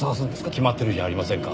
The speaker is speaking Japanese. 決まってるじゃありませんか。